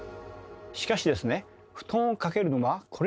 しかしですね